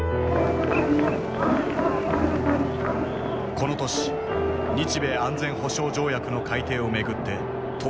この年日米安全保障条約の改定をめぐって闘争が激化。